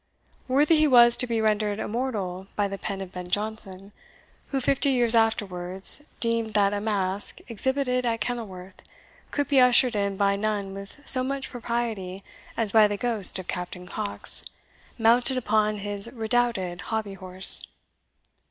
Worthy he was to be rendered immortal by the pen of Ben Jonson, who, fifty years afterwards, deemed that a masque, exhibited at Kenilworth, could be ushered in by none with so much propriety as by the ghost of Captain Coxe, mounted upon his redoubted hobby horse.